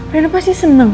rina pasti seneng